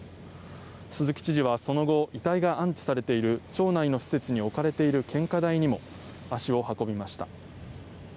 鈴木知事はその後遺体が安置されている町内の施設に置かれている献花台にも足を運びました。